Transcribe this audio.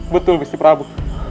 betul gusti prabu